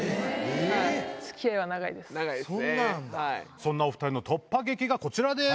そんなお２人の突破劇がこちらです。